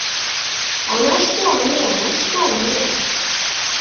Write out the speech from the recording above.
А нашто мне, нашто мне?